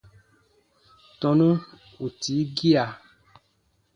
Tɔnu ù tii gia.